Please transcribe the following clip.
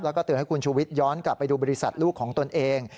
แล้วก็เตือนให้คุณชูวิทย้อนกลับไปดูบริษัทลูกของตนเอง